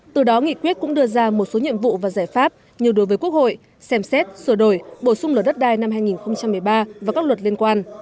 từ đó nghị quyết cũng đưa ra một số nhiệm vụ và giải pháp như đối với quốc hội xem xét sửa đổi bổ sung lửa đất đai năm hai nghìn một mươi ba và các luật liên quan